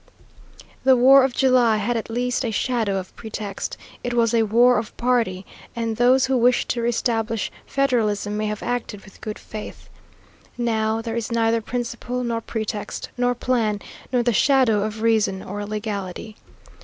The war of July had at least a shadow of pretext; it was a war of party, and those who wished to re establish federalism may have acted with good faith. Now there is neither principle, nor pretext, nor plan, nor the shadow of reason or legality.